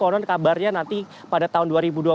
konon kabarnya nanti pada tahun dua ribu dua puluh satu